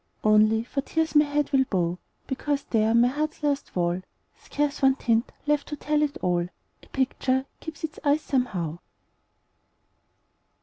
Only, for tears my head will bow, Because there on my heart's last wall, Scarce one tint left to tell it all, A picture keeps its eyes, somehow.